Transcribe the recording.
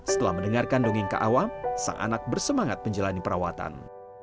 setelah mendengarkan dongeng ke awam sang anak bersemangat menjalani perawatan